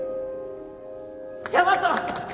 ヤマト！